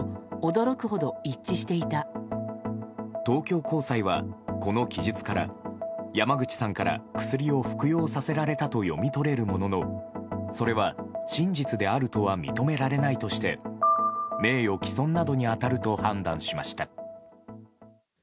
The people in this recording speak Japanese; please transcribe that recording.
東京高裁は、この記述から山口さんから薬を服用させられたと読み取れるもののそれは真実であるとは認められないとして名誉棄損などに当たると判断しました。